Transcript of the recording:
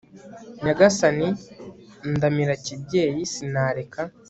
nyagasani undamira kibyeyi sinareka